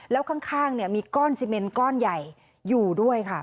แล้วข้างมีก้อนซีเมนก้อนใหญ่อยู่ด้วยค่ะ